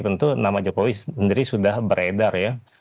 tentu nama jokowi sendiri sudah beredar ya